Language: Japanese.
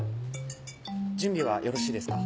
準備はよろしいですか？